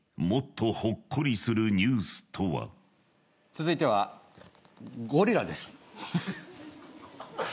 続いてはゴリラです。